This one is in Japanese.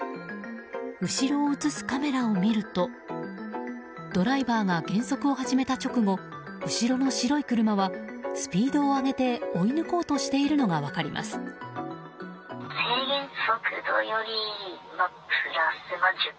後ろを映すカメラを見るとドライバーが減速を始めた直後後ろの白い車はスピードを上げて追い抜こうとしているのが分かります。